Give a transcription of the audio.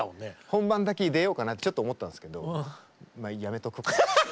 本番だけ出ようかなってちょっと思ったんですけどやめとくかって。